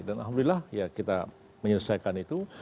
dan alhamdulillah kita menyelesaikan itu